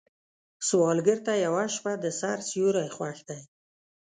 سوالګر ته یوه شپه د سر سیوری خوښ دی